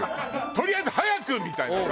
「とりあえず早く！」みたいなさ。